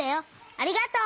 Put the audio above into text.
ありがとう！